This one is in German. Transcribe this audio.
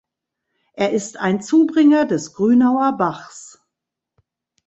Er ist ein Zubringer des Grünauer Bachs.